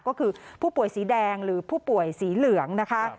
ก็คือผู้ป่วยสีแดงหรือผู้ป่วยสีเหลืองนะคะ